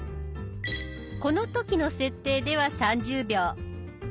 この時の設定では３０秒。